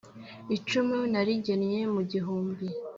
Icumu narigemye mu gihumbi